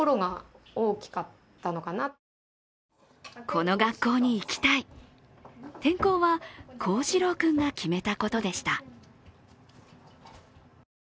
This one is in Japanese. この学校に行きたい、転校は光志朗君が決めたことでした。